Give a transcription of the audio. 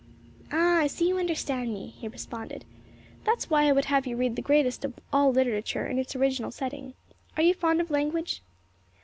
"Ah! I see you understand me," he responded. "That is why I would have you read the greatest of all literature in its original setting. Are you fond of language?"